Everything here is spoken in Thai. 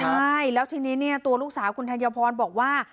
ใช่แล้วที่นี่ตัวลูกสาวคุณธัญญพนธ์บอกว่า